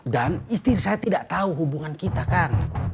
dan istri saya tidak tahu hubungan kita kan